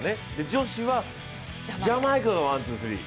女子はジャマイカがワン・ツー・スリー。